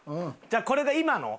じゃあこれが今の？